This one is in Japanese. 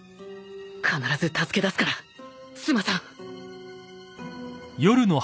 必ず助け出すから須磨さん！